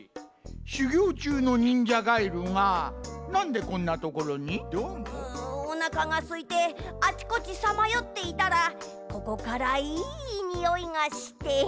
しゅぎょうちゅうの忍者ガエルがなんでこんなところに？んおなかがすいてあちこちさまよっていたらここからいいにおいがして。